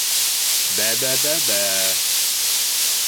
— Бә-бә-бә!..